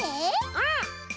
うん！